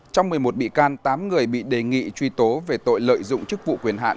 trong một mươi một bị can tám người bị đề nghị truy tố về tội lợi dụng chức vụ quyền hạn